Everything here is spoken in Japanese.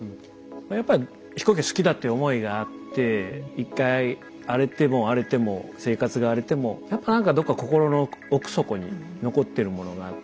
やっぱり飛行機が好きだっていう思いがあって１回荒れても荒れても生活が荒れてもやっぱなんかどっか心の奥底に残ってるものがあって